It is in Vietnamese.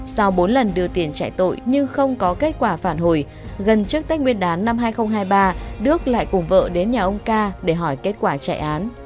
sau bốn lần đưa tiền chạy tội nhưng không có kết quả phản hồi gần trước tết nguyên đán năm hai nghìn hai mươi ba đức lại cùng vợ đến nhà ông ca để hỏi kết quả chạy án